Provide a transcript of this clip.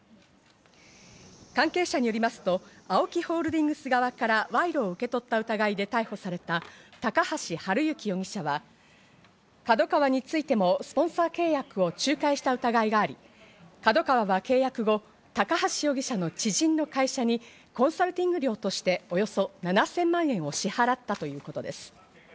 関係者によりますとＡＯＫＩホールディングス側から賄賂を受け取った疑いで逮捕された高橋治之容疑者は、ＫＡＤＯＫＡＷＡについてもスポンサー契約を仲介した疑いがあり、ＫＡＤＯＫＡＷＡは契約後、高橋容疑者の知人の会社にコンサルティング料としておよそ７０００万円を支払ったということです。